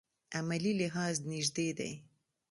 عملي لحاظ نژدې دي.